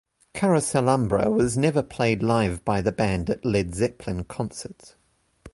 "Carouselambra" was never played live by the band at Led Zeppelin concerts.